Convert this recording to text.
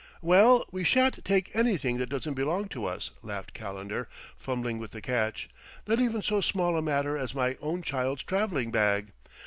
"Well, we shan't take anything that doesn't belong to us," laughed Calendar, fumbling with the catch; "not even so small a matter as my own child's traveling bag.